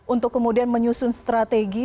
untuk kemudian menyusun strategi